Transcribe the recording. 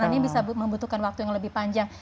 dan akan membutuhkan waktu yang lebih panjang